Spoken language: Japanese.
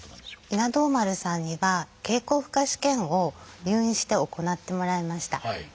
稲童丸さんには経口負荷試験を入院して行ってもらいました。